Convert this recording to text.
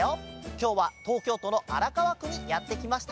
きょうはとうきょうとのあらかわくにやってきました。